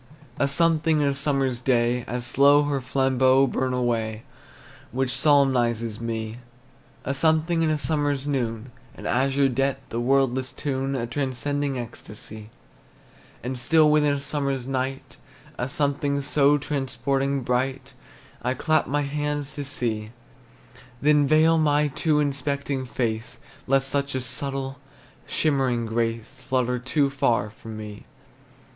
A something in a summer's day, As slow her flambeaux burn away, Which solemnizes me. A something in a summer's noon, An azure depth, a wordless tune, Transcending ecstasy. And still within a summer's night A something so transporting bright, I clap my hands to see; Then veil my too inspecting face, Lest such a subtle, shimmering grace Flutter too far for me.